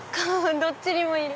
どっちにもいる。